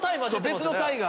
別の隊が。